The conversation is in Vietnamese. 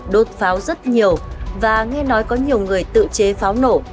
đốt pháo rất nhiều và nghe nói có nhiều người tự chế pháo nổ